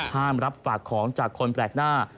รับฝากของจากคนแปลกหน้า